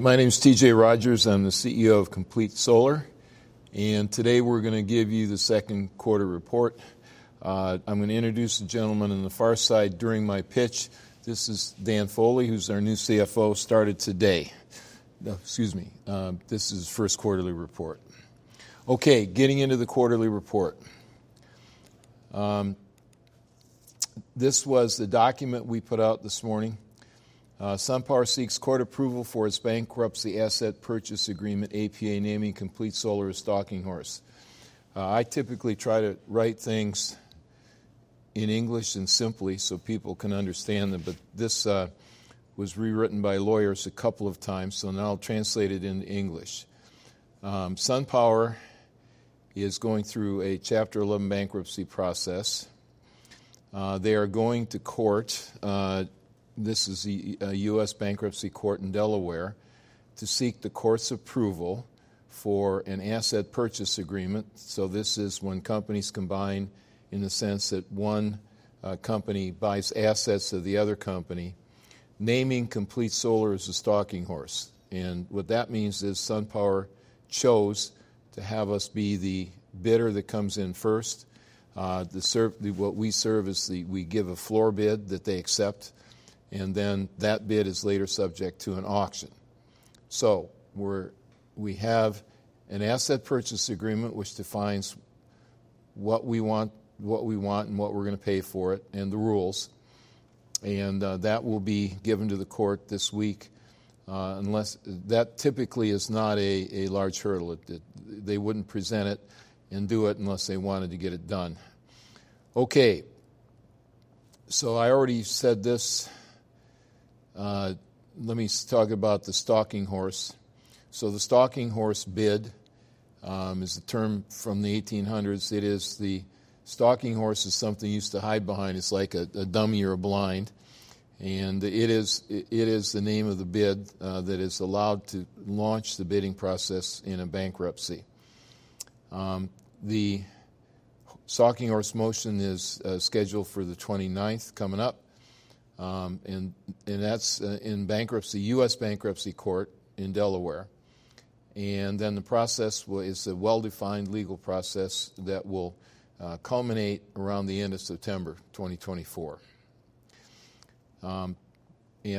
My name is T. J. Rogers. I'm the CEO of Complete Solar, and today we're gonna give you the second quarter report. I'm gonna introduce the gentleman on the far side during my pitch. This is Dan Foley, who's our new CFO, started today. Excuse me, this is first quarterly report. Okay, getting into the quarterly report. This was the document we put out this morning. "SunPower seeks court approval for its bankruptcy asset purchase agreement, APA, naming Complete Solar as stalking horse." I typically try to write things in English and simply so people can understand them, but this was rewritten by lawyers a couple of times, so now I'll translate it into English. SunPower is going through a Chapter 11 bankruptcy process. They are going to court, this is the U.S. Bankruptcy Court in Delaware, to seek the court's approval for an asset purchase agreement. So this is when companies combine in the sense that one company buys assets of the other company, naming Complete Solar as the stalking horse. And what that means is SunPower chose to have us be the bidder that comes in first. What we serve as the, we give a floor bid that they accept, and then that bid is later subject to an auction. So we have an asset purchase agreement, which defines what we want, what we want and what we're gonna pay for it, and the rules. And that will be given to the court this week, unless. That typically is not a large hurdle. It, they wouldn't present it and do it unless they wanted to get it done. Okay, so I already said this. Let me talk about the stalking horse. So the stalking horse bid is a term from the 1800s. It is the stalking horse is something you used to hide behind. It's like a dummy or a blind, and it is the name of the bid that is allowed to launch the bidding process in a bankruptcy. The stalking horse motion is scheduled for the 29th, coming up, and that's in bankruptcy, U.S. Bankruptcy Court in Delaware. And then the process is a well-defined legal process that will culminate around the end of September 2024. And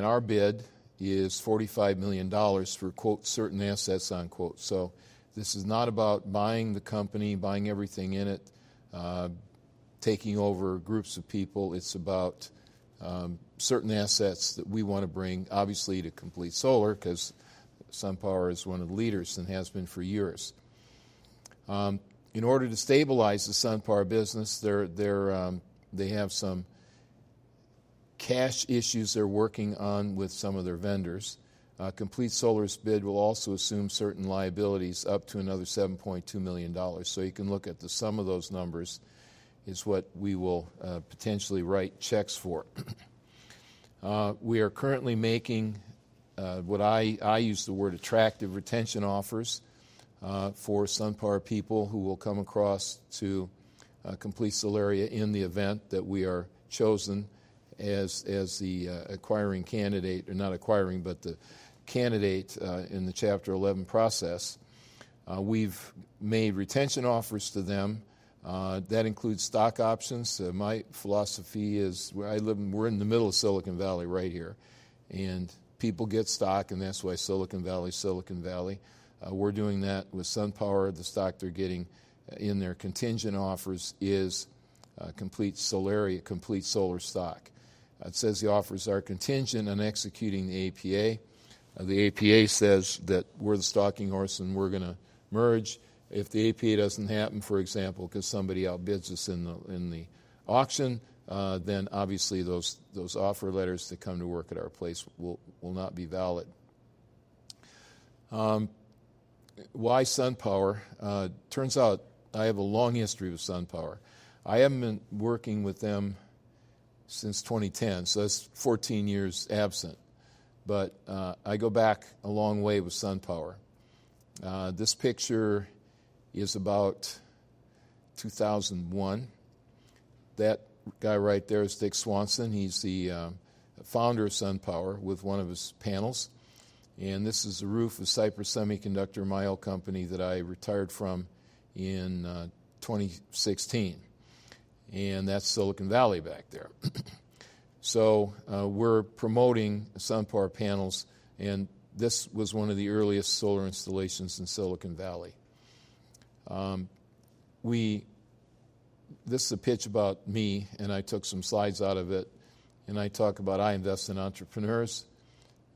our bid is $45 million for, quote, "certain assets," unquote. So this is not about buying the company, buying everything in it, taking over groups of people. It's about, certain assets that we want to bring, obviously, to Complete Solar, 'cause SunPower is one of the leaders and has been for years. In order to stabilize the SunPower business, they have some cash issues they're working on with some of their vendors. Complete Solar's bid will also assume certain liabilities, up to another $7.2 million. So you can look at the sum of those numbers, is what we will, potentially write checks for. We are currently making what I use the word attractive retention offers for SunPower people who will come across to Complete Solaria in the event that we are chosen as the acquiring candidate, or not acquiring, but the candidate in the Chapter 11 process. We've made retention offers to them that includes stock options. My philosophy is where I live, we're in the middle of Silicon Valley right here, and people get stock, and that's why Silicon Valley is Silicon Valley. We're doing that with SunPower. The stock they're getting in their contingent offers is Complete Solar, Complete Solar stock. It says the offers are contingent on executing the APA. The APA says that we're the stalking horse, and we're gonna merge. If the APA doesn't happen, for example, 'cause somebody outbids us in the auction, then obviously those offer letters to come to work at our place will not be valid. Why SunPower? Turns out I have a long history with SunPower. I haven't been working with them since 2010, so that's 14 years absent. But I go back a long way with SunPower. This picture is about 2001. That guy right there is Dick Swanson. He's the founder of SunPower with one of his panels, and this is the roof of Cypress Semiconductor, my old company that I retired from in 2016. And that's Silicon Valley back there. So, we're promoting SunPower panels, and this was one of the earliest solar installations in Silicon Valley. This is a pitch about me, and I took some slides out of it, and I talk about I invest in entrepreneurs,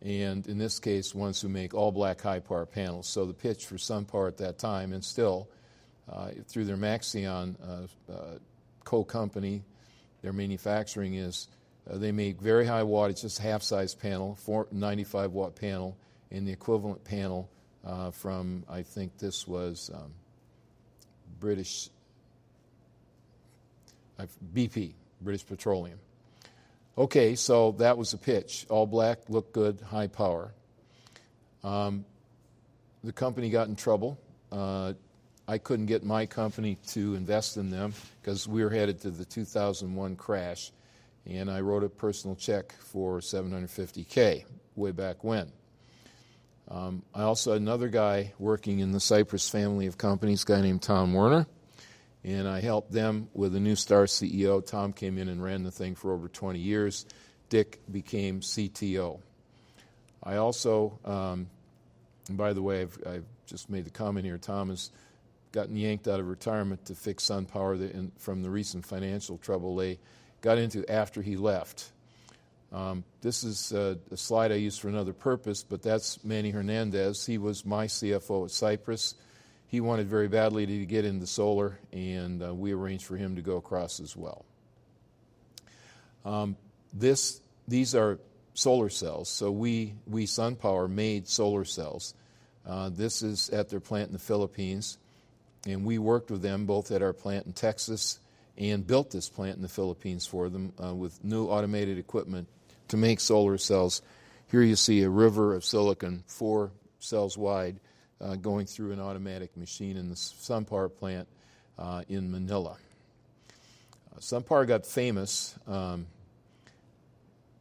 and in this case, ones who make all-black high-power panels. So the pitch for SunPower at that time, and still, through their Maxeon co-company, their manufacturing is they make very high wattage, this half-size 495-Watt panel, and the equivalent panel from, I think this was, British BP, British Petroleum. Okay, so that was the pitch. All black, looked good, high power. The company got in trouble. I couldn't get my company to invest in them 'cause we were headed to the 2001 crash, and I wrote a personal check for $750,000 way back when. I also, another guy working in the Cypress family of companies, a guy named Tom Werner, and I helped them with a new star CEO. Tom came in and ran the thing for over 20 years. Dick became CTO. I also... By the way, I've just made the comment here, Tom has gotten yanked out of retirement to fix SunPower from the recent financial trouble they got into after he left. This is a slide I used for another purpose, but that's Manny Hernandez. He was my CFO at Cypress. He wanted very badly to get into solar, and we arranged for him to go across as well. This—these are solar cells. So we, SunPower, made solar cells. This is at their plant in the Philippines, and we worked with them both at our plant in Texas and built this plant in the Philippines for them with new automated equipment to make solar cells. Here you see a river of silicon, 4 cells wide, going through an automatic machine in the SunPower plant in Manila. SunPower got famous.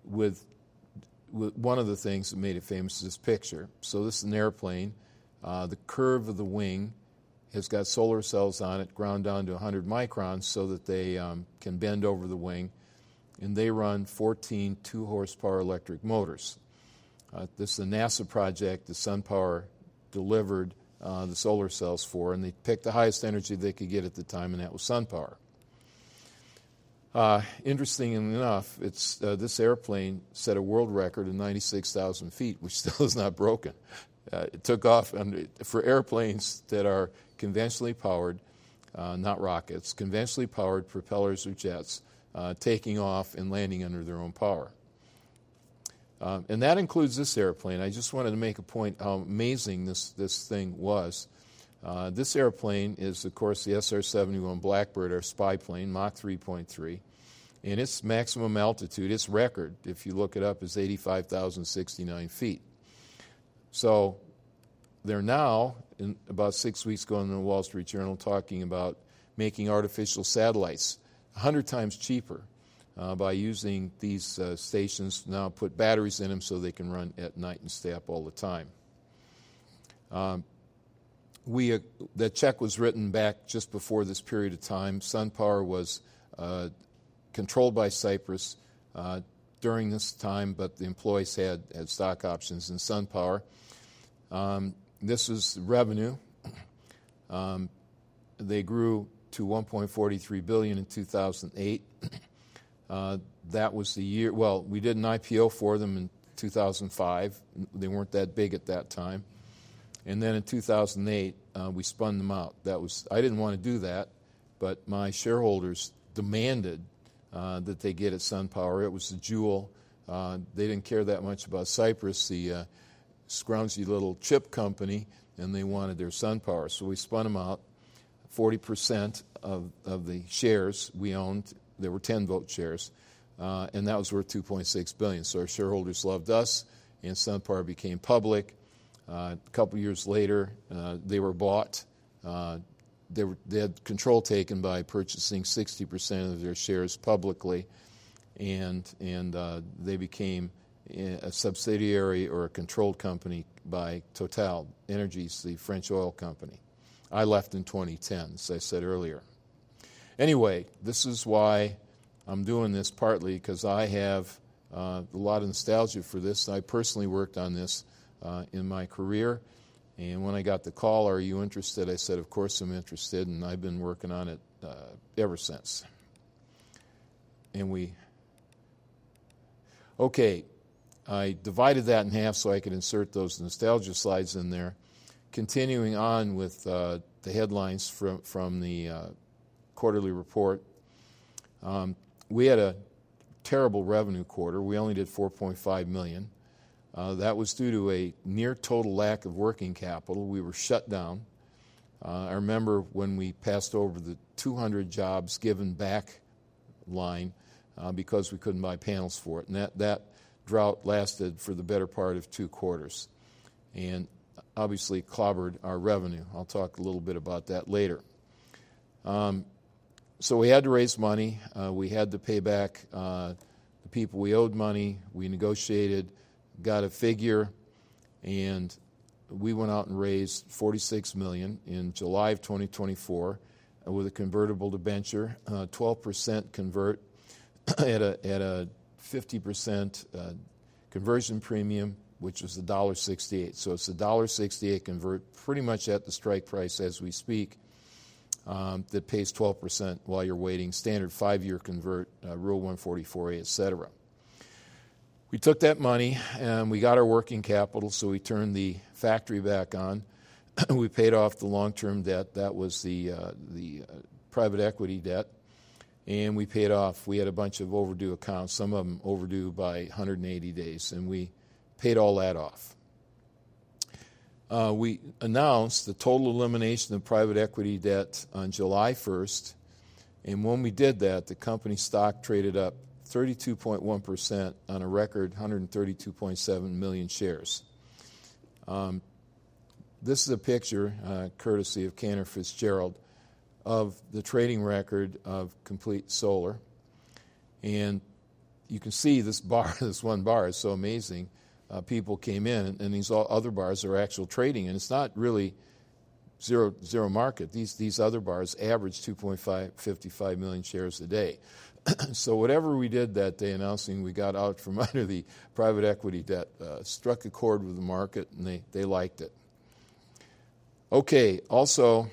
One of the things that made it famous is this picture. So this is an airplane. The curve of the wing has got solar cells on it, ground down to 100 microns so that they can bend over the wing, and they run 14 two-horsepower electric motors. This is a NASA project that SunPower delivered the solar cells for, and they picked the highest energy they could get at the time, and that was SunPower. Interestingly enough, it's this airplane set a world record of 96,000 feet, which still is not broken. It took off under... For airplanes that are conventionally powered, not rockets, conventionally powered propellers or jets, taking off and landing under their own power. And that includes this airplane. I just wanted to make a point how amazing this, this thing was. This airplane is, of course, the SR-71 Blackbird, or spy plane, Mach 3.3, and its maximum altitude, its record, if you look it up, is 85,069 feet. So they're now, in about 6 weeks ago, in the Wall Street Journal, talking about making artificial satellites 100 times cheaper by using these stations. Now, put batteries in them so they can run at night and stay up all the time. We. That check was written back just before this period of time. SunPower was controlled by Cypress during this time, but the employees had stock options in SunPower. This is revenue. They grew to $1.43 billion in 2008. That was the year. Well, we did an IPO for them in 2005. They weren't that big at that time. And then in 2008, we spun them out. That was. I didn't want to do that, but my shareholders demanded that they get a SunPower. It was the jewel. They didn't care that much about Cypress, the scroungy little chip company, and they wanted their SunPower. So, we spun them out. 40% of the shares we owned, there were 10 vote shares, and that was worth $2.6 billion. So our shareholders loved us, and SunPower became public. A couple of years later, they were bought. They had control taken by purchasing 60% of their shares publicly, and they became a subsidiary or a controlled company by TotalEnergies, the French oil company. I left in 2010, as I said earlier. Anyway, this is why I'm doing this, partly 'cause I have a lot of nostalgia for this. I personally worked on this in my career, and when I got the call, "Are you interested?" I said: Of course, I'm interested, and I've been working on it ever since. And we. Okay, I divided that in half, so I could insert those nostalgia slides in there. Continuing on with the headlines from the quarterly report. We had a terrible revenue quarter. We only did $4.5 million. That was due to a near total lack of working capital. We were shut down. I remember when we passed over the 200 jobs given back line, because we couldn't buy panels for it, and that drought lasted for the better part of two quarters and obviously clobbered our revenue. I'll talk a little bit about that later. So we had to raise money. We had to pay back the people we owed money. We negotiated, got a figure, and we went out and raised $46 million in July 2024 with a convertible debenture, twelve percent convert at a fifty percent conversion premium, which was $1.68. So it's a $1.68 convert, pretty much at the strike price as we speak, that pays 12% while you're waiting. Standard five-year convert, Rule 144A, etc. We took that money, and we got our working capital, so we turned the factory back on, and we paid off the long-term debt. That was the private equity debt, and we paid off... We had a bunch of overdue accounts, some of them overdue by 180 days, and we paid all that off. We announced the total elimination of private equity debt on July 1st. When we did that, the company stock traded up 32.1% on a record 132.7 million shares. This is a picture, courtesy of Cantor Fitzgerald, of the trading record of Complete Solar. You can see this bar, this one bar is so amazing. People came in, and these other bars are actual trading, and it's not really zero, zero market. These, these other bars average 2.5-55 million shares a day. So whatever we did that day announcing we got out from under the private equity debt, struck a chord with the market, and they, they liked it. Okay, also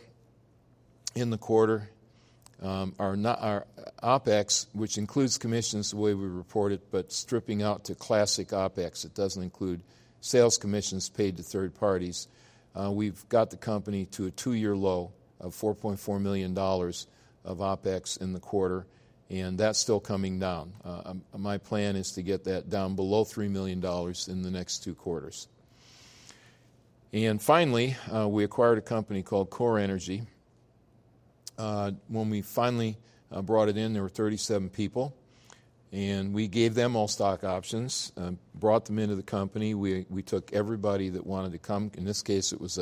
in the quarter, our OpEx, which includes commissions, the way we report it, but stripping out to classic OpEx, it doesn't include sales commissions paid to third parties. We've got the company to a two-year low of $4.4 million of OpEx in the quarter, and that's still coming down. My plan is to get that down below $3 million in the next two quarters. And finally, we acquired a company called Core Energy. When we finally brought it in, there were 37 people, and we gave them all stock options, brought them into the company. We took everybody that wanted to come. In this case, it was.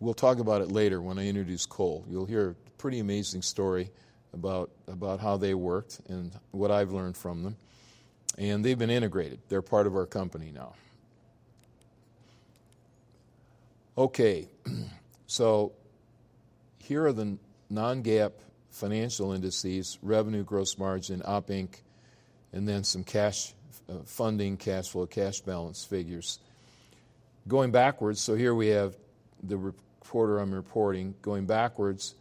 We'll talk about it later when I introduce Cole. You'll hear a pretty amazing story about how they worked and what I've learned from them. And they've been integrated. They're part of our company now. Okay, so here are the non-GAAP financial indices: revenue, gross margin, operating income, and then some cash, funding, cash flow, cash balance figures. Going backwards, so here we have the reporting quarter I'm reporting. Going backwards,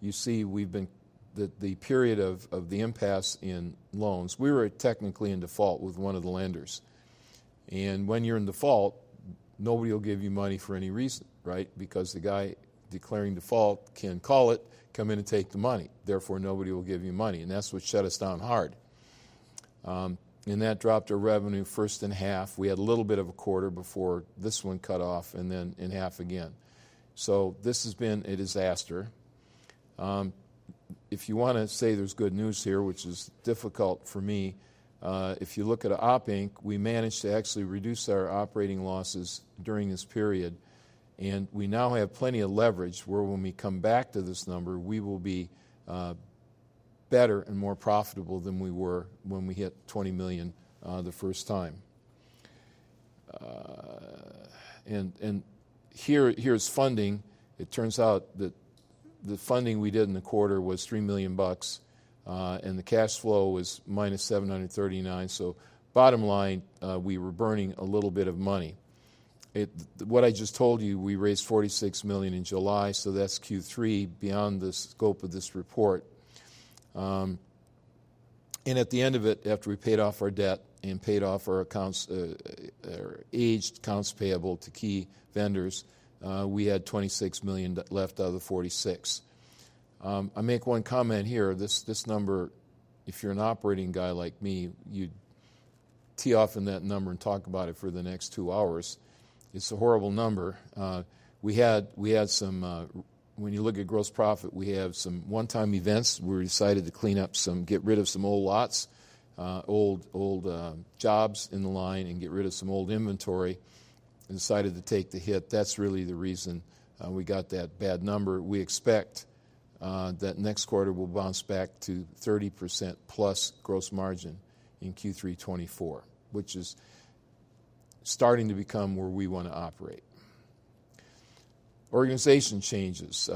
you see we've been in the period of the impasse in loans. We were technically in default with one of the lenders, and when you're in default, nobody will give you money for any reason, right? Because the guy declaring default can call it, come in and take the money. Therefore, nobody will give you money, and that's what shut us down hard. And that dropped our revenue first in half. We had a little bit of a quarter before this one cut off and then in half again. So this has been a disaster. If you wanna say there's good news here, which is difficult for me, if you look at our Op Inc, we managed to actually reduce our operating losses during this period, and we now have plenty of leverage, where when we come back to this number, we will be better and more profitable than we were when we hit $20 million the first time. And here's funding. It turns out that the funding we did in the quarter was $3 million, and the cash flow was -$739,000. So bottom line, we were burning a little bit of money. What I just told you, we raised $46 million in July, so that's Q3, beyond the scope of this report. And at the end of it, after we paid off our debt and paid off our accounts, our aged accounts payable to key vendors, we had $26 million left out of the $46 million. I'll make one comment here. This, this number, if you're an operating guy like me, you'd tee off on that number and talk about it for the next two hours. It's a horrible number. We had some. When you look at gross profit, we have some one-time events. We decided to clean up some, get rid of some old lots, old jobs in the line and get rid of some old inventory and decided to take the hit. That's really the reason we got that bad number. We expect that next quarter we'll bounce back to 30%+ gross margin in Q3 2024, which is starting to become where we wanna operate. Organization changes.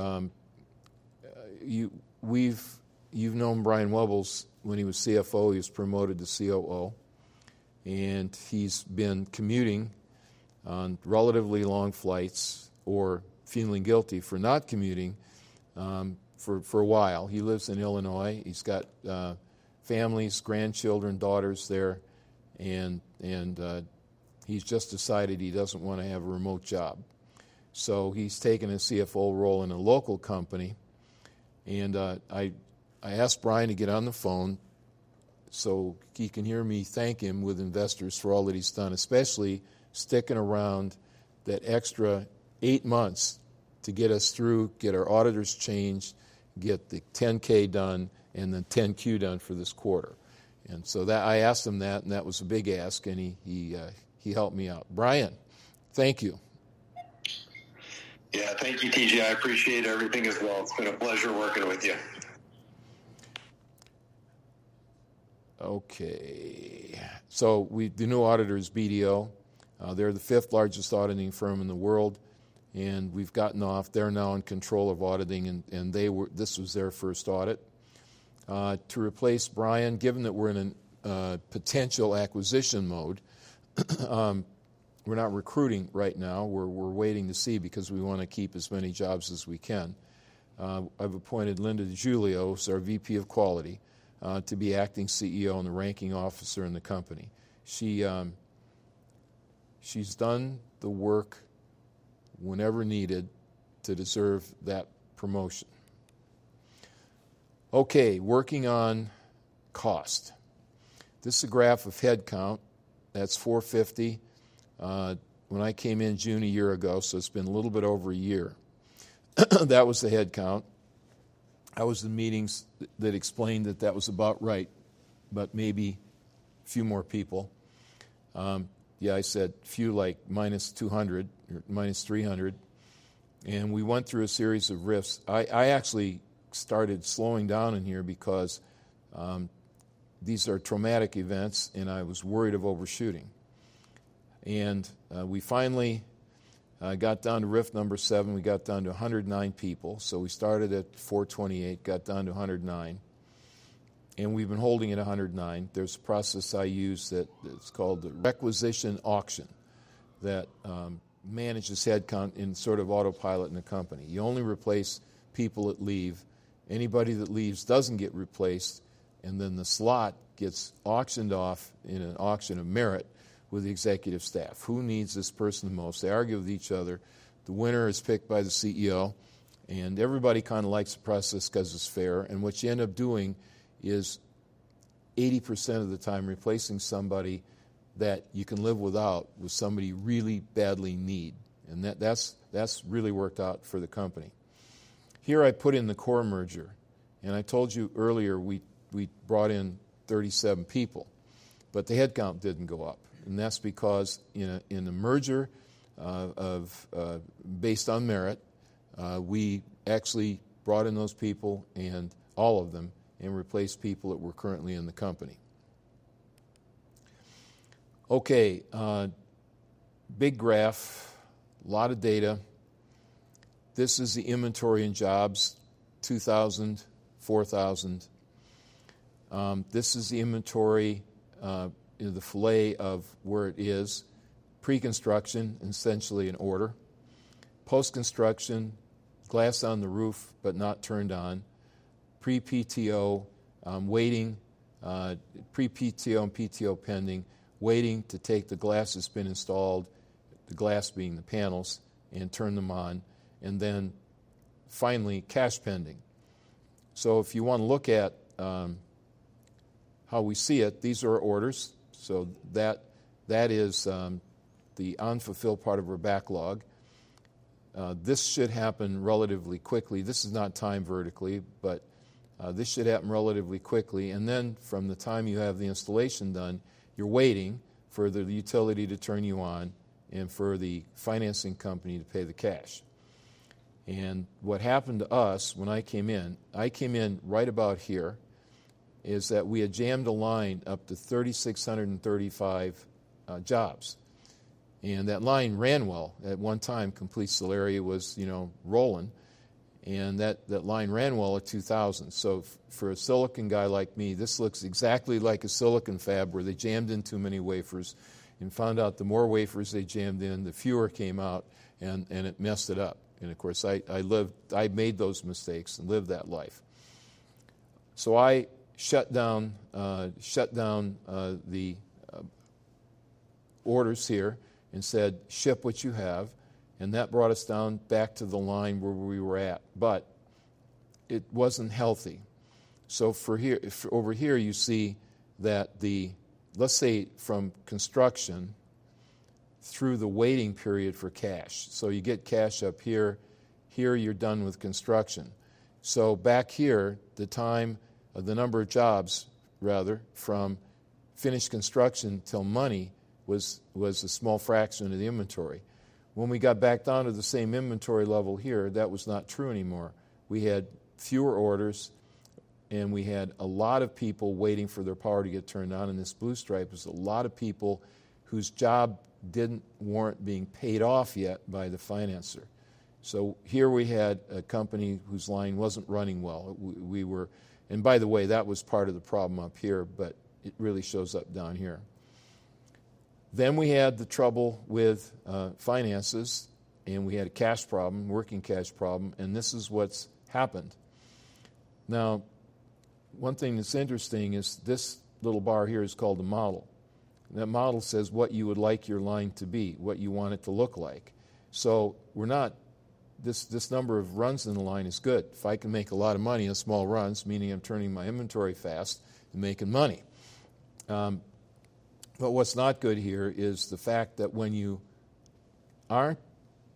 You've known Brian Wuebbels when he was CFO. He was promoted to COO, and he's been commuting on relatively long flights or feeling guilty for not commuting, for a while. He lives in Illinois. He's got families, grandchildren, daughters there, and he's just decided he doesn't wanna have a remote job. So he's taken a CFO role in a local company, and I asked Brian to get on the phone so he can hear me thank him with investors for all that he's done, especially sticking around that extra eight months to get us through, get our auditors changed, get the 10-K done, and the 10-Q done for this quarter. And so I asked him that, and that was a big ask, and he helped me out. Brian, thank you. Yeah. Thank you, TG. I appreciate everything as well. It's been a pleasure working with you. Okay, so the new auditor is BDO. They're the fifth-largest auditing firm in the world, and we've gotten off. They're now in control of auditing, and they were—this was their first audit. To replace Brian, given that we're in an potential acquisition mode, we're not recruiting right now. We're waiting to see because we wanna keep as many jobs as we can. I've appointed Linda DeJulio, who's our VP of Quality, to be Acting CEO and the ranking officer in the company. She, she's done the work whenever needed to deserve that promotion. Okay, working on cost. This is a graph of headcount. That's 450, when I came in June a year ago, so it's been a little bit over a year. That was the headcount. I was in the meetings that explained that that was about right, but maybe a few more people. Yeah, I said few like -200 or -300, and we went through a series of RIFs. I actually started slowing down in here because these are traumatic events, and I was worried of overshooting. And we finally got down to RIF number 7. We got down to 109 people. So we started at 428, got down to 109, and we've been holding at 109. There's a process I use that is called the requisition auction that manages headcount in sort of autopilot in the company. You only replace people that leave. Anybody that leaves doesn't get replaced, and then the slot gets auctioned off in an auction of merit with the executive staff. Who needs this person the most? They argue with each other. The winner is picked by the CEO, and everybody kinda likes the process 'cause it's fair. What you end up doing is 80% of the time, replacing somebody that you can live without, with somebody you really badly need, and that's really worked out for the company. Here I put in the core merger, and I told you earlier we brought in 37 people, but the headcount didn't go up, and that's because in a merger based on merit, we actually brought in those people and all of them, and replaced people that were currently in the company. Okay, big graph, a lot of data. This is the inventory in jobs, 2,000, 4,000. This is the inventory, the filet of where it is, pre-construction, essentially an order, post-construction, glass on the roof, but not turned on, pre-PTO, waiting, pre-PTO and PTO pending, waiting to take the glass that's been installed, the glass being the panels, and turn them on, and then finally, cash pending. So if you wanna look at how we see it, these are our orders. So that, that is the unfulfilled part of our backlog. This should happen relatively quickly. This is not timed vertically, but this should happen relatively quickly, and then from the time you have the installation done, you're waiting for the utility to turn you on and for the financing company to pay the cash. And what happened to us when I came in, I came in right about here, is that we had jammed a line up to 3,635 jobs, and that line ran well. At one time, Complete Solaria was, you know, rolling, and that line ran well at 2,000. So for a silicon guy like me, this looks exactly like a silicon fab, where they jammed in too many wafers and found out the more wafers they jammed in, the fewer came out, and it messed it up. And of course, I lived. I made those mistakes and lived that life. So I shut down the orders here and said, "Ship what you have." And that brought us down back to the line where we were at, but it wasn't healthy. So, for here, over here, you see that the. Let's say, from construction through the waiting period for cash, so you get cash up here. Here, you're done with construction. So back here, the time, or the number of jobs, rather, from finished construction till money, was a small fraction of the inventory. When we got back down to the same inventory level here, that was not true anymore. We had fewer orders, and we had a lot of people waiting for their power to get turned on, and this blue stripe is a lot of people whose job didn't warrant being paid off yet by the financier. So here we had a company whose line wasn't running well. We were-- And by the way, that was part of the problem up here, but it really shows up down here. Then we had the trouble with finances, and we had a cash problem, working cash problem, and this is what's happened. Now, one thing that's interesting is this little bar here is called the model. The model says what you would like your line to be, what you want it to look like. So we're not... This, this number of runs in the line is good. If I can make a lot of money in small runs, meaning I'm turning my inventory fast and making money. But what's not good here is the fact that when you aren't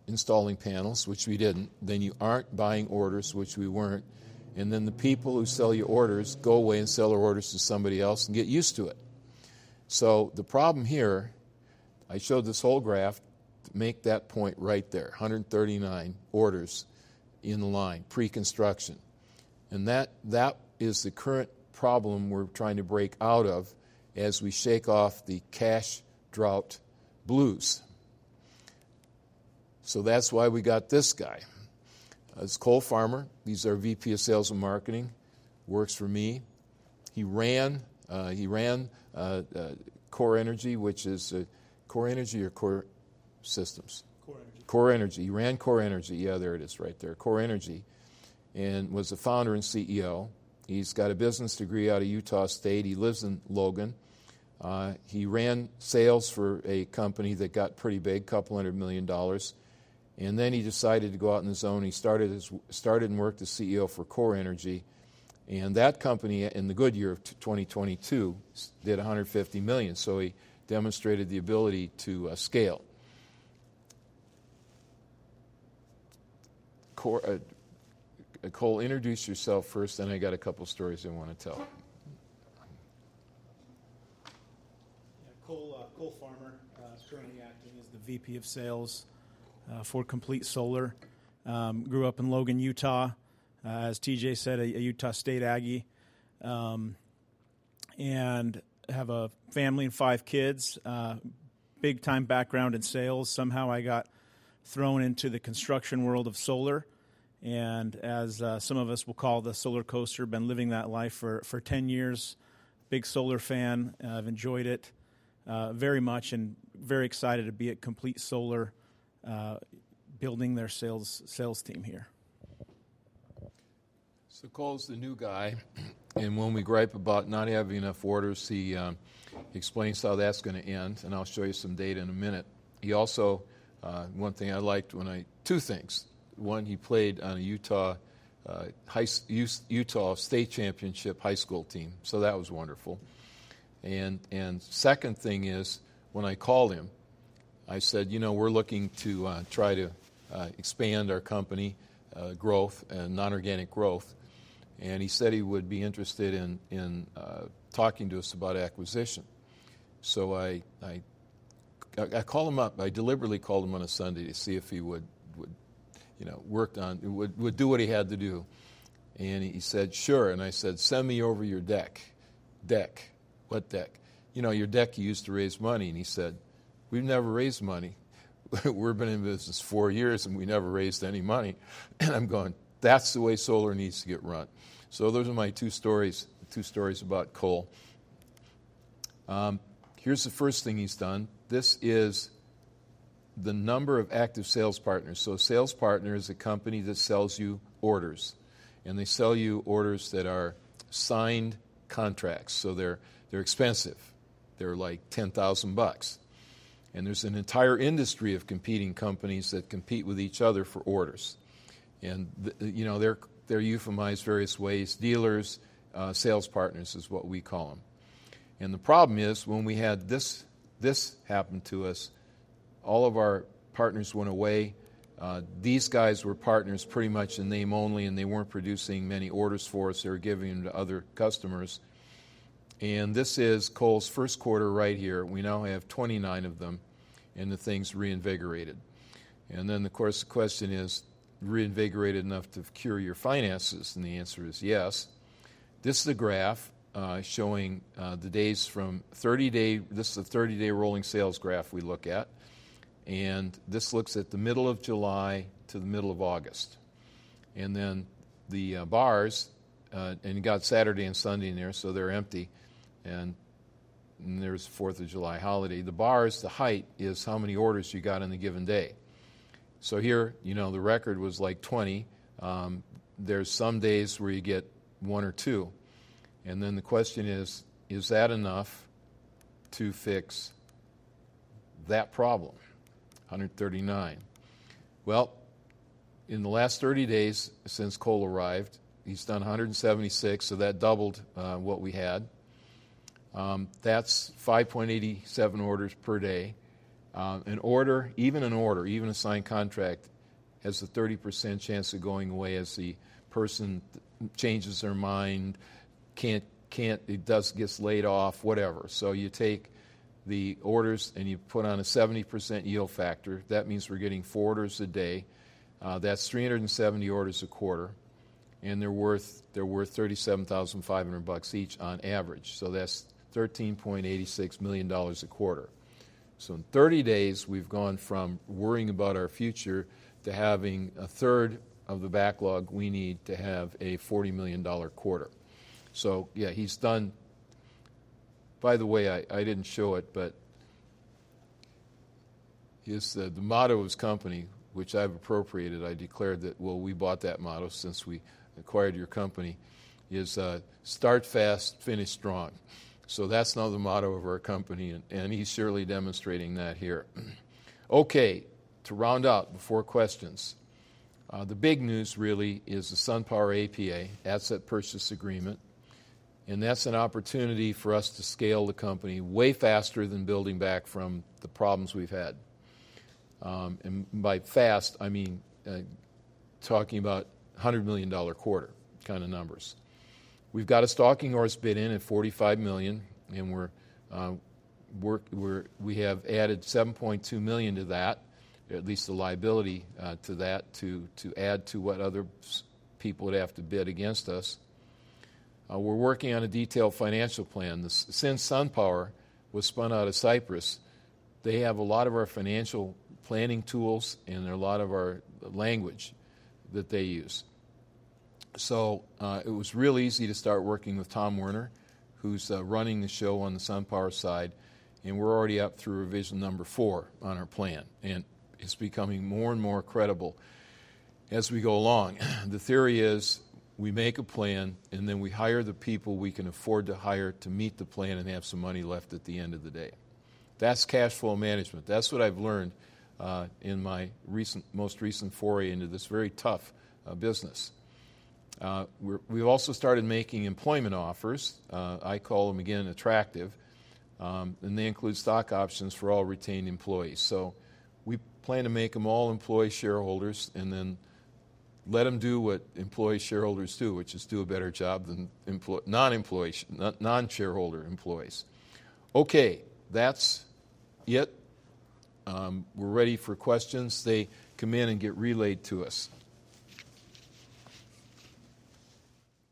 installing panels, which we didn't, then you aren't buying orders, which we weren't, and then the people who sell you orders go away and sell their orders to somebody else and get used to it. So the problem here, I showed this whole graph to make that point right there, 139 orders in the line, pre-construction. And that is the current problem we're trying to break out of as we shake off the cash drought blues. So that's why we got this guy. That's Cole Farmer. He's our VP of Sales and Marketing, works for me. He ran Core Energy, which is Core Energy or Core Systems? Core Energy. Core Energy. He ran Core Energy. Yeah, there it is, right there, Core Energy, and was the founder and CEO. He's got a business degree out of Utah State. He lives in Logan. He ran sales for a company that got pretty big, $200 million. And then he decided to go out on his own, and he started and worked as CEO for Core Energy. And that company, in the good year of 2022, did $150 million. So he demonstrated the ability to scale. Cole, introduce yourself first, then I got a couple stories I wanna tell. Yeah. Cole Farmer. Currently acting as the VP of sales for Complete Solar. Grew up in Logan, Utah. As TJ said, a Utah State Aggie. And have a family and five kids. Big-time background in sales. Somehow I got thrown into the construction world of solar, and as some of us will call the solar coaster, been living that life for 10 years. Big solar fan, and I've enjoyed it very much and very excited to be at Complete Solar, building their sales team here. So Cole's the new guy, and when we gripe about not having enough orders, he explains how that's gonna end, and I'll show you some data in a minute. He also. One thing I liked when I-- two things: One, he played on a Utah State Championship high school team, so that was wonderful. And second thing is, when I called him, I said, "You know, we're looking to try to expand our company growth and non-organic growth," and he said he would be interested in talking to us about acquisition. So, I called him up. I deliberately called him on a Sunday to see if he would, you know, work on... would do what he had to do, and he said, "Sure." And I said, "Send me over your deck." "Deck? What deck?" "You know, your deck you use to raise money." And he said, "We've never raised money. We've been in business four years, and we never raised any money." And I'm going, "That's the way solar needs to get run." So those are my two stories, two stories about Cole. Here's the first thing he's done. This is the number of active sales partners. So a sales partner is a company that sells you orders, and they sell you orders that are signed contracts, so they're expensive. They're, like, $10,000. And there's an entire industry of competing companies that compete with each other for orders. And the, you know, they're euphemized various ways: dealers, sales partners, is what we call them. And the problem is, when we had this happen to us, all of our partners went away. These guys were partners pretty much in name only, and they weren't producing many orders for us. They were giving them to other customers. And this is Cole's first quarter right here. We now have 29 of them, and the thing's reinvigorated. And then, of course, the question is, reinvigorated enough to cure your finances? And the answer is yes. This is a graph, showing, the days from 30-day. This is a 30-day rolling sales graph we look at, and this looks at the middle of July to the middle of August. And then the, bars, and you got Saturday and Sunday in there, so they're empty, and then there's the Fourth of July holiday. The bars, the height is how many orders you got on a given day. So here, you know, the record was, like, 20. There's some days where you get one or two, and then the question is, is that enough to fix that problem? 139. Well, in the last 30 days since Cole arrived, he's done 176, so that doubled what we had. That's 5.87 orders per day. An order, even an order, even a signed contract, has a 30% chance of going away as the person changes their mind, can't, it does get laid off, whatever. So you take the orders, and you put on a 70% yield factor. That means we're getting four orders a day. That's 370 orders a quarter, and they're worth $37,500 each on average, so that's $13.86 million a quarter. So in 30 days, we've gone from worrying about our future to having a third of the backlog we need to have a $40 million quarter. So yeah, he's done. By the way, I didn't show it, but his, the motto of his company, which I've appropriated, I declared that, "Well, we bought that motto since we acquired your company," is, "Start fast, finish strong." So that's now the motto of our company, and he's surely demonstrating that here. Okay, to round out before questions, the big news really is the SunPower APA, asset purchase agreement, and that's an opportunity for us to scale the company way faster than building back from the problems we've had. And by fast, I mean, talking about a $100 million quarter kind of numbers. We've got a stalking horse bid in at $45 million, and we have added $7.2 million to that, at least the liability, to add to what other people would have to bid against us. We're working on a detailed financial plan. Since SunPower was spun out of Cypress, they have a lot of our financial planning tools and a lot of our language that they use. So, it was real easy to start working with Tom Werner, who's running the show on the SunPower side, and we're already up through revision number 4 on our plan, and it's becoming more and more credible. As we go along, the theory is we make a plan, and then we hire the people we can afford to hire to meet the plan and have some money left at the end of the day. That's cash flow management. That's what I've learned in my recent, most recent foray into this very tough business. We've also started making employment offers. I call them, again, attractive, and they include stock options for all retained employees. So we plan to make them all employee shareholders and then let them do what employee shareholders do, which is do a better job than non-employee non-shareholder employees. Okay, that's it. We're ready for questions. They come in and get relayed to us.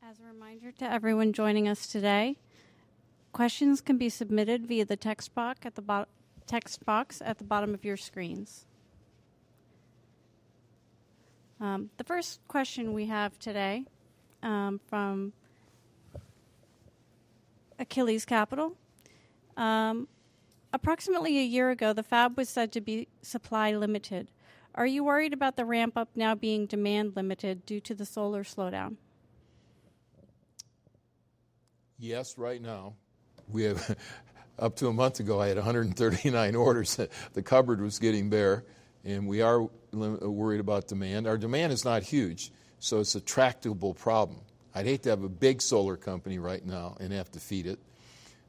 As a reminder to everyone joining us today, questions can be submitted via the text box at the bottom of your screens. The first question we have today, from Achilles Capital. Approximately a year ago, the fab was said to be supply limited. Are you worried about the ramp-up now being demand limited due to the solar slowdown? Yes, right now, we have, up to a month ago, I had 139 orders. The cupboard was getting bare, and we are worried about demand. Our demand is not huge, so it's a tractable problem. I'd hate to have a big solar company right now and have to feed it.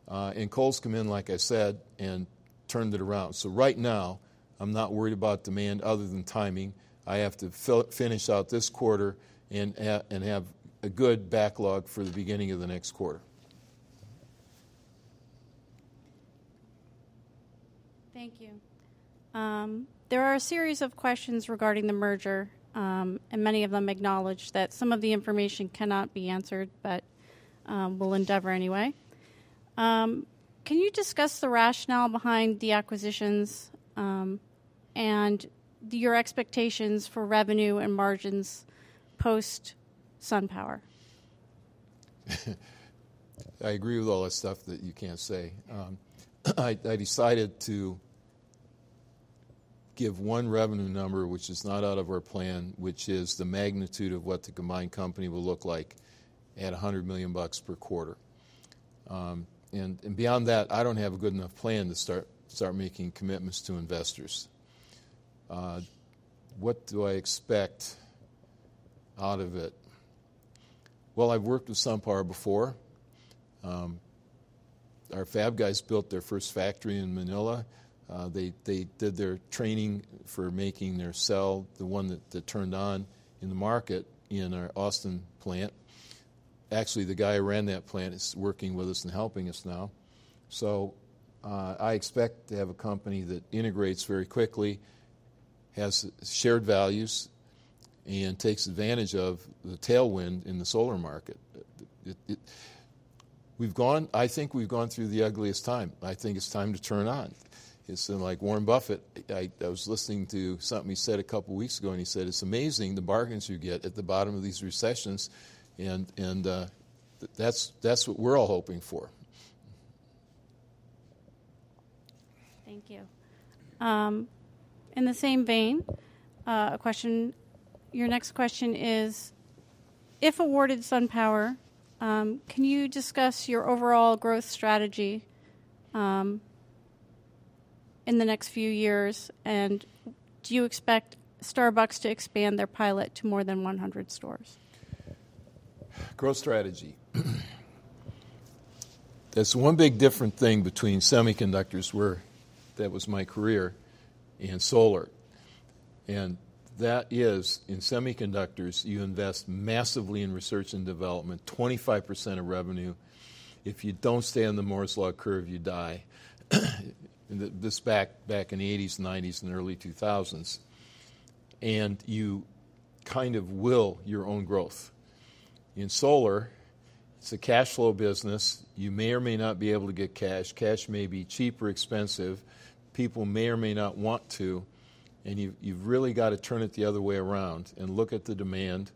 And Cole's come in, like I said, and turned it around. So right now, I'm not worried about demand other than timing. I have to finish out this quarter and have a good backlog for the beginning of the next quarter. Thank you. There are a series of questions regarding the merger, and many of them acknowledge that some of the information cannot be answered, but we'll endeavour anyway. Can you discuss the rationale behind the acquisitions, and your expectations for revenue and margins post SunPower? I agree with all that stuff that you can't say. I decided to give one revenue number, which is not out of our plan, which is the magnitude of what the combined company will look like at $100 million per quarter. And beyond that, I don't have a good enough plan to start making commitments to investors. What do I expect out of it? Well, I've worked with SunPower before. Our fab guys built their first factory in Manila. They did their training for making their cell, the one that turned on in the market in our Austin plant. Actually, the guy who ran that plant is working with us and helping us now. So, I expect to have a company that integrates very quickly, has shared values, and takes advantage of the tailwind in the solar market. I think we've gone through the ugliest time. I think it's time to turn on. It's like Warren Buffett. I was listening to something he said a couple of weeks ago, and he said, "It's amazing the bargains you get at the bottom of these recessions," and that's what we're all hoping for. Thank you. In the same vein, a question, your next question is: If awarded SunPower, can you discuss your overall growth strategy, in the next few years, and do you expect Starbucks to expand their pilot to more than 100 stores? Growth strategy. There's one big different thing between semiconductors, where that was my career in solar, and that is, in semiconductors, you invest massively in research and development, 25% of revenue. If you don't stay on the Moore's Law curve, you die. This back in the 1980s, 1990s, and early 2000s. And you kind of will your own growth. In solar, it's a cash flow business. You may or may not be able to get cash. Cash may be cheap or expensive. People may or may not want to, and you've really got to turn it the other way around and look at the demand,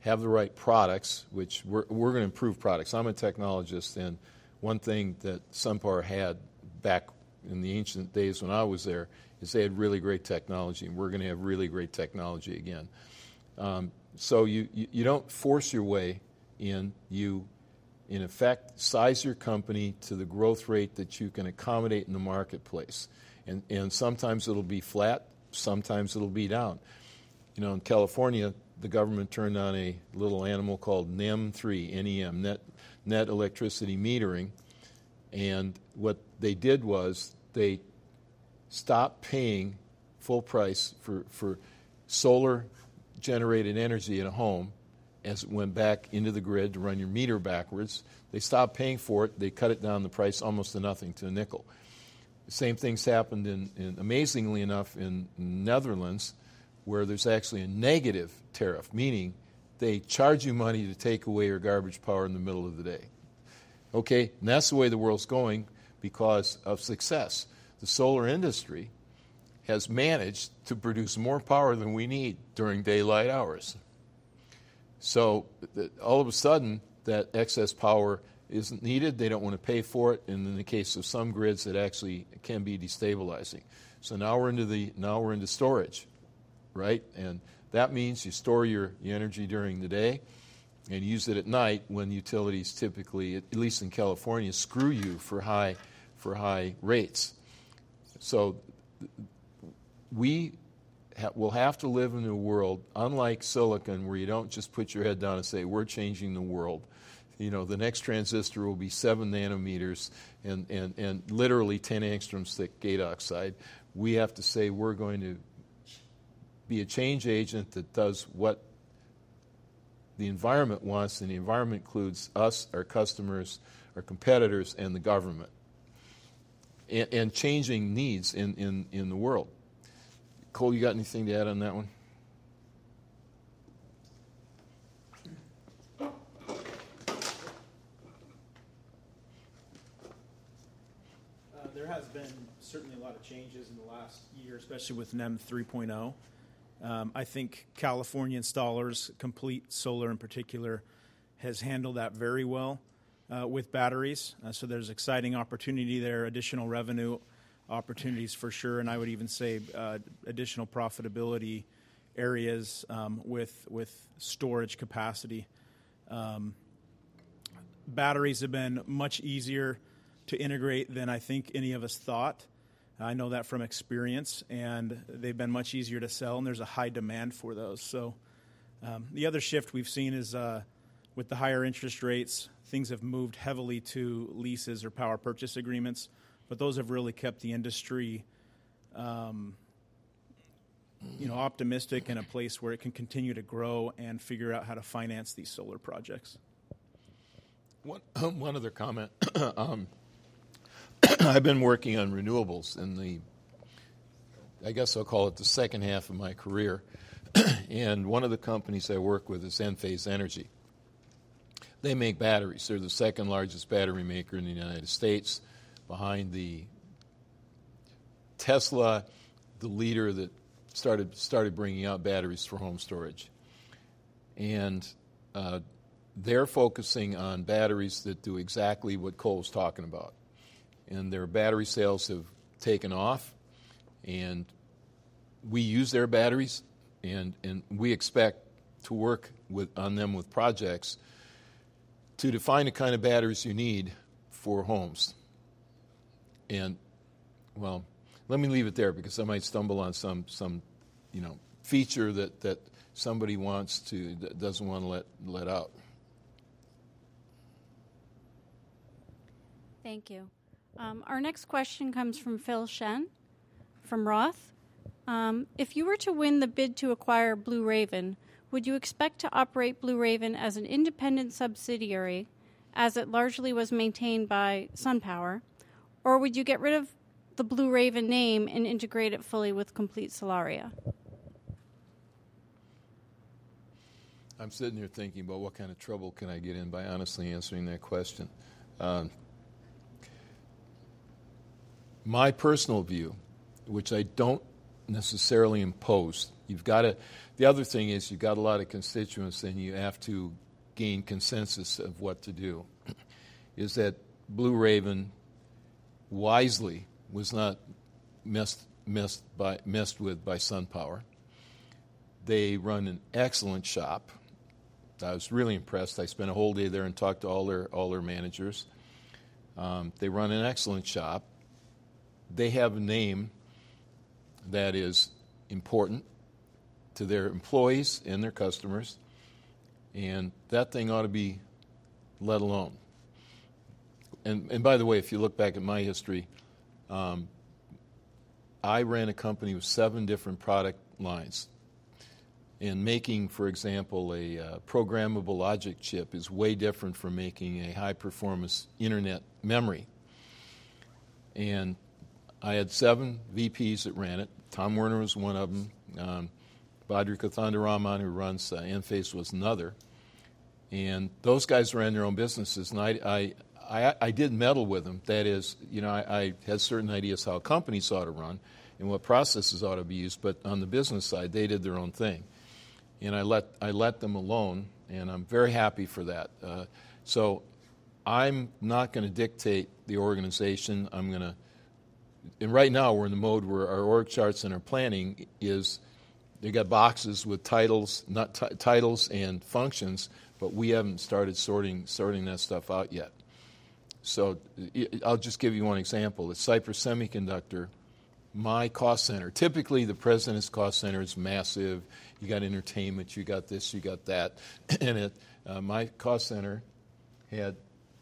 have the right products, which we're gonna improve products. I'm a technologist, and one thing that SunPower had back in the ancient days when I was there, is they had really great technology, and we're gonna have really great technology again. So you don't force your way in. You, in effect, size your company to the growth rate that you can accommodate in the marketplace, and sometimes it'll be flat, sometimes it'll be down. You know, in California, the government turned on a little animal called NEM 3.0, N-E-M, Net Energy Metering, and what they did was they stopped paying full price for solar-generated energy at a home as it went back into the grid to run your meter backwards. They stopped paying for it. They cut the price almost to nothing, to a nickel. The same thing's happened, amazingly enough, in the Netherlands, where there's actually a negative tariff, meaning they charge you money to take away your garbage power in the middle of the day. Okay, and that's the way the world's going because of success. The solar industry has managed to produce more power than we need during daylight hours. So, all of a sudden, that excess power isn't needed, they don't wanna pay for it, and in the case of some grids, it actually can be destabilizing. So now we're into storage, right? And that means you store your energy during the day, and use it at night, when utilities typically, at least in California, screw you for high rates. So we will have to live in a world, unlike silicon, where you don't just put your head down and say: "We're changing the world," you know, the next transistor will be 7 nm and literally 10 Å thick gate oxide. We have to say, "We're going to be a change agent that does what the environment wants," and the environment includes us, our customers, our competitors, and the government, and changing needs in the world. Cole, you got anything to add on that one? There has been certainly a lot of changes in the last year, especially with NEM 3.0. I think California installers, Complete Solar in particular, has handled that very well, with batteries. So there's exciting opportunity there, additional revenue opportunities for sure, and I would even say, additional profitability areas, with storage capacity. Batteries have been much easier to integrate than I think any of us thought, and I know that from experience, and they've been much easier to sell, and there's a high demand for those. So, the other shift we've seen is, with the higher interest rates, things have moved heavily to leases or power purchase agreements, but those have really kept the industry, you know, optimistic, and a place where it can continue to grow and figure out how to finance these solar projects. One other comment. I've been working on renewables in the, I guess I'll call it the second half of my career. And one of the companies I work with is Enphase Energy. They make batteries. They're the second largest battery maker in the United States, behind the Tesla, the leader that started bringing out batteries for home storage. And they're focusing on batteries that do exactly what Cole was talking about, and their battery sales have taken off, and we use their batteries, and we expect to work with, on them with projects to define the kind of batteries you need for homes. And, well, let me leave it there, because I might stumble on some, you know, feature that somebody wants to... doesn't wanna let out. Thank you. Our next question comes from Phil Shen, from Roth. If you were to win the bid to acquire Blue Raven, would you expect to operate Blue Raven as an independent subsidiary, as it largely was maintained by SunPower? Or would you get rid of the Blue Raven name and integrate it fully with Complete Solaria? I'm sitting here thinking about what kind of trouble can I get in by honestly answering that question. My personal view, which I don't necessarily impose, you've gotta. The other thing is, you've got a lot of constituents, then you have to gain consensus of what to do, is that Blue Raven wisely was not messed with by SunPower. They run an excellent shop. I was really impressed. I spent a whole day there and talked to all their managers. They run an excellent shop. They have a name that is important to their employees and their customers, and that thing ought to be let alone. And by the way, if you look back at my history, I ran a company with seven different product lines. Making, for example, a programmable logic chip is way different from making a high-performance internet memory. And I had seven VPs that ran it. Tom Werner was one of them. Badri Kothandaraman, who runs Enphase, was another. And those guys ran their own businesses, and, I did meddle with them. That is, you know, I, I had certain ideas how companies ought to run and what processes ought to be used, but on the business side, they did their own thing, and I let, I let them alone, and I'm very happy for that. So, I'm not gonna dictate the organization. I'm gonna. And right now we're in the mode where our org charts and our planning is, they've got boxes with titles, not titles and functions, but we haven't started sorting, sorting that stuff out yet. So I'll just give you one example. At Cypress Semiconductor, my cost center - typically, the president's cost center is massive. You got entertainment, you got this, you got that. And at my cost center had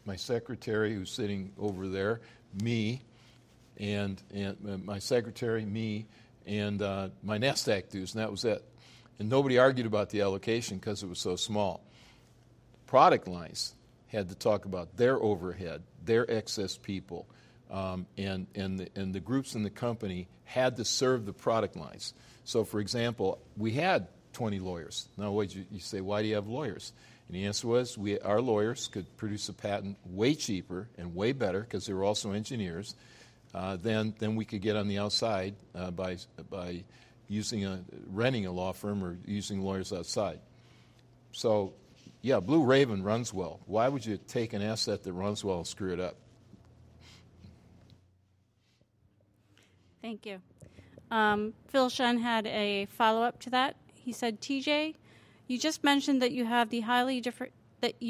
my secretary, who's sitting over there, me, and my NASDAQ dues, and that was that. And nobody argued about the allocation 'cause it was so small. Product lines had to talk about their overhead, their excess people, and the groups in the company had to serve the product lines. So, for example, we had 20 lawyers. Now, what you say, "Why do you have lawyers?"... The answer was, our lawyers could produce a patent way cheaper and way better, 'cause they were also engineers, than we could get on the outside by renting a law firm or using lawyers outside. So yeah, Blue Raven runs well. Why would you take an asset that runs well and screw it up? Thank you. Phil Shen had a follow-up to that. He said: "TJ, you just mentioned that you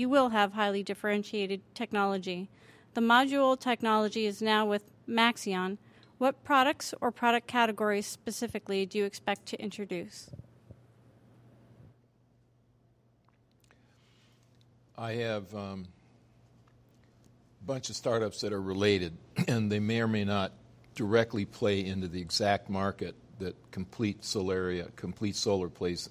will have highly differentiated technology. The module technology is now with Maxeon. What products or product categories specifically do you expect to introduce? I have a bunch of startups that are related, and they may or may not directly play into the exact market that Complete Solaria, Complete Solar plays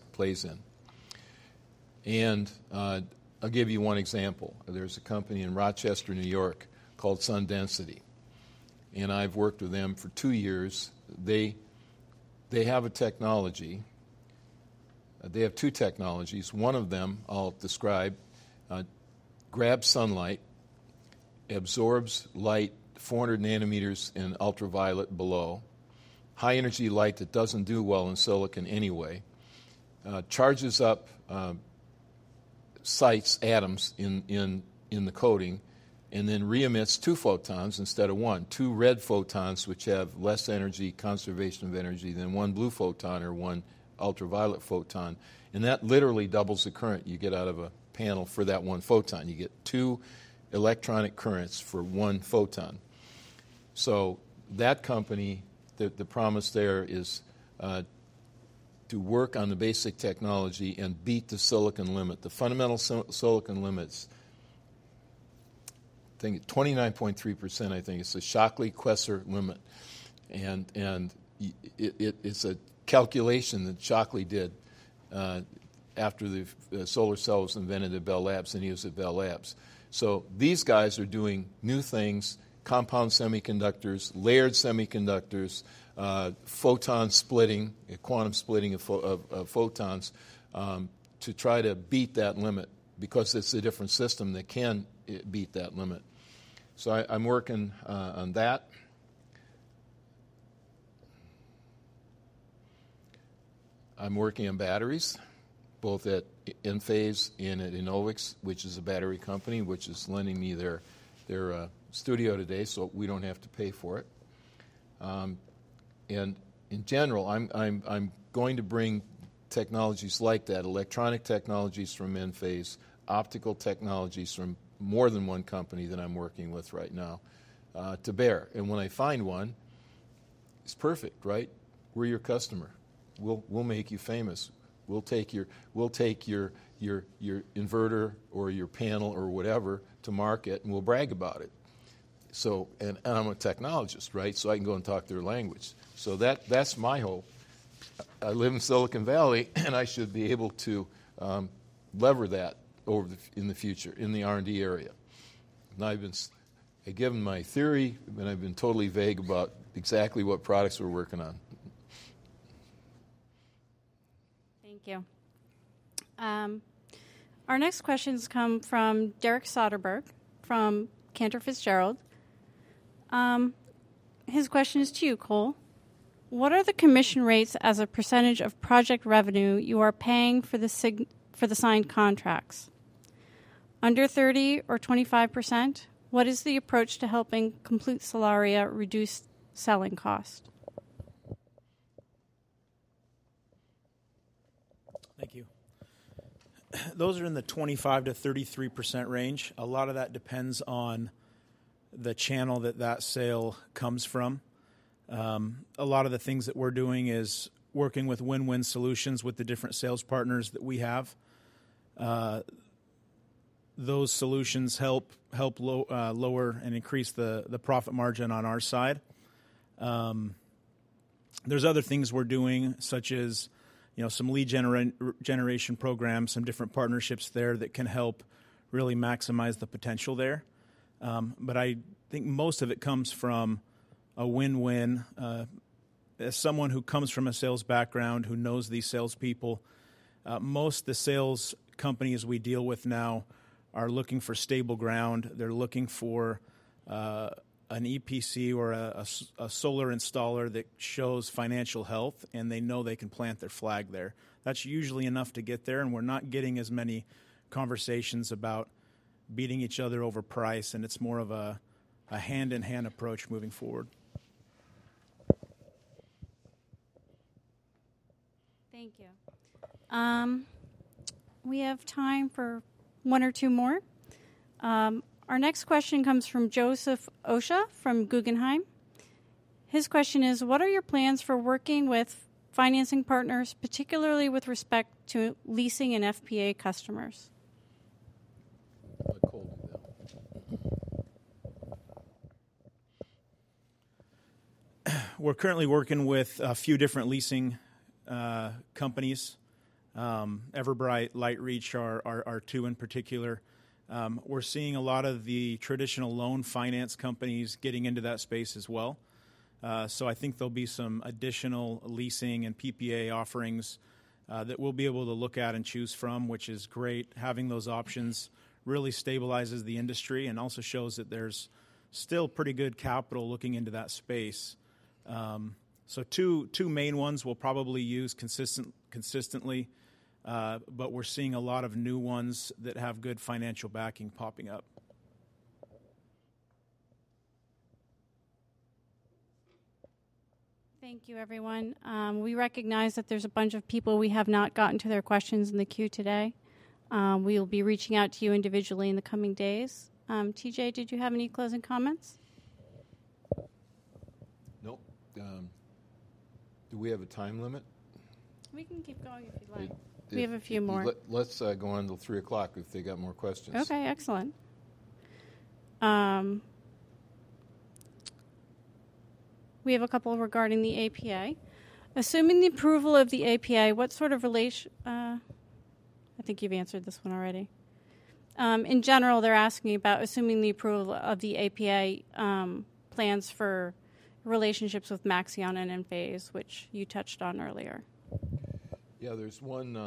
in. I'll give you one example. There's a company in Rochester, New York, called SunDensity, and I've worked with them for 2 years. They have a technology. They have two technologies. One of them I'll describe grabs sunlight, absorbs light 400 nanometers and ultraviolet below, high-energy light that doesn't do well in silicon anyway, charges up sites, atoms in the coating, and then re-emits 2 photons instead of 1. 2 red photons, which have less energy, conservation of energy, than 1 blue photon or 1 ultraviolet photon, and that literally doubles the current you get out of a panel for that 1 photon. You get 2 electronic currents for 1 photon. So that company, the promise there is to work on the basic technology and beat the silicon limit, the fundamental silicon limits. I think it's 29.3%, I think, it's the Shockley-Queisser Limit. And it's a calculation that Shockley did after the solar cells invented at Bell Labs, and he was at Bell Labs. So, these guys are doing new things, compound semiconductors, layered semiconductors, photon splitting, quantum splitting of photons, to try to beat that limit because it's a different system that can beat that limit. So I'm working on that. I'm working on batteries, both at Enphase and at Enovix, which is a battery company, which is lending me their studio today, so we don't have to pay for it. And in general, I'm going to bring technologies like that, electronic technologies from Enphase, optical technologies from more than one company that I'm working with right now, to bear. And when I find one, it's perfect, right? We're your customer. We'll make you famous. We'll take your inverter or your panel or whatever to market, and we'll brag about it. So, and, and I'm a technologist, right? So, I can go and talk their language. So that's my hope. I live in Silicon Valley, and I should be able to leverage that over in the future, in the R&D area. And I've given my theory, and I've been totally vague about exactly what products we're working on. Thank you. Our next questions come from Derek Soderberg, from Cantor Fitzgerald. His question is to you, Cole: "What are the commission rates as a percentage of project revenue you are paying for the signed contracts? Under 30% or 25%? What is the approach to helping Complete Solaria reduce selling cost? Thank you. Those are in the 25%-33% range. A lot of that depends on the channel that that sale comes from. A lot of the things that we're doing is working with win-win solutions with the different sales partners that we have. Those solutions help lower and increase the profit margin on our side. There's other things we're doing, such as, you know, some lead generation programs, some different partnerships there that can help really maximize the potential there. But I think most of it comes from a win-win. As someone who comes from a sales background, who knows these salespeople, most of the sales companies we deal with now are looking for stable ground. They're looking for an EPC or a solar installer that shows financial health, and they know they can plant their flag there. That's usually enough to get there, and we're not getting as many conversations about beating each other over price, and it's more of a hand-in-hand approach moving forward. Thank you. We have time for one or two more. Our next question comes from Joseph Osha, from Guggenheim. His question is: "What are your plans for working with financing partners, particularly with respect to leasing and PPA customers? Let Cole do that. We're currently working with a few different leasing companies. EverBright, LightReach are two in particular. We're seeing a lot of the traditional loan finance companies getting into that space as well. So I think there'll be some additional leasing and PPA offerings that we'll be able to look at and choose from, which is great. Having those options really stabilizes the industry and also shows that there's still pretty good capital looking into that space. So, two main ones we'll probably use consistently, but we're seeing a lot of new ones that have good financial backing popping up. Thank you, everyone. We recognize that there's a bunch of people we have not gotten to their questions in the queue today. We'll be reaching out to you individually in the coming days. T.J., did you have any closing comments? Nope. Do we have a time limit? We can keep going if you'd like. It, it- We have a few more. Let's go on till 3:00 P.M., if they got more questions. Okay, excellent. We have a couple regarding the APA. Assuming the approval of the APA, I think you've answered this one already. In general, they're asking about assuming the approval of the APA, plans for relationships with Maxeon and Enphase, which you touched on earlier. Yeah, there's one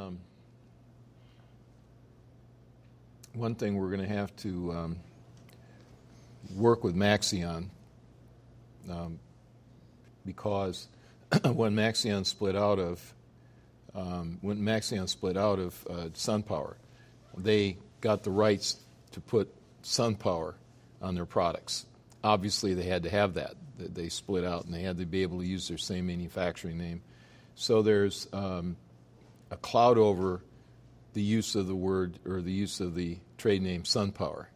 thing we're gonna have to work with Maxeon, because when Maxeon split out of SunPower, they got the rights to put SunPower on their products. Obviously, they had to have that. They split out, and they had to be able to use their same manufacturing name. So there's a cloud over the use of the word or the use of the trade name SunPower.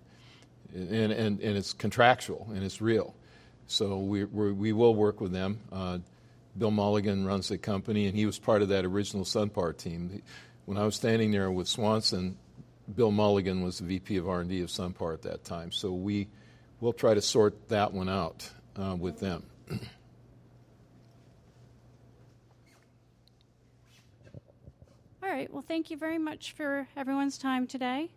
And it's contractual, and it's real. So we will work with them. Bill Mulligan runs the company, and he was part of that original SunPower team. When I was standing there with Swanson, Bill Mulligan was the VP of R&D of SunPower at that time. So we'll try to sort that one out with them. All right. Well, thank you very much for everyone's time today.